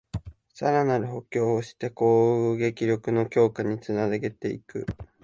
さらなる補強をして攻撃力の強化につなげていく